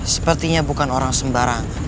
sepertinya bukan orang sembarang